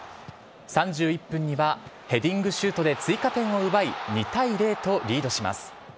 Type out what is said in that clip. ３１分には、ヘディングシュートで追加点を奪い、２対０とリードします。